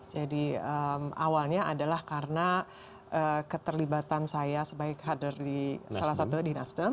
jadi awalnya adalah karena keterlibatan saya sebagai kader di salah satu di nasdem